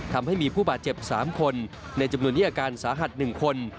ทำให้มีผู้บาดเจ็บ๓คนในจำนวนนี้อาการสาหัส๑คน